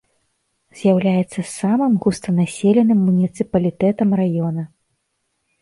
З'яўляецца самым густанаселеным муніцыпалітэтам раёна.